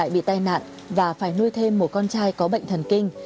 bị tai nạn và phải nuôi thêm một con trai có bệnh thần kinh